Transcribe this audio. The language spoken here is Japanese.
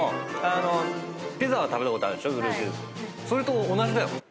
それと同じだよ。